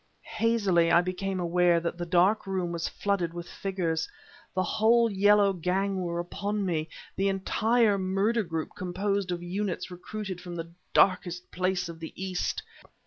Hazily I became aware that the dark room was flooded with figures. The whole yellow gang were upon me the entire murder group composed of units recruited from the darkest place of the East!